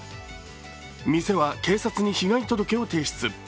店は警察に被害届を提出。